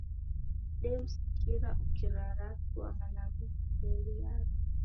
Demsikira ukiraratua malagho ghiseeliagha.